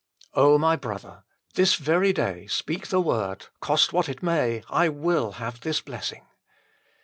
my brother, this very day speak the word :" Cost what it may, I will have this blessing."